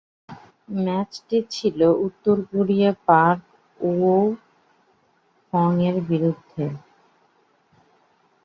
ম্যাচটি ছিল উত্তর কোরিয়ার পাক ওক-সং-এর বিরুদ্ধে।